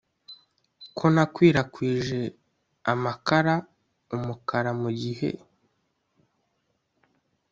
Ko nakwirakwije amakaraumukara mugihe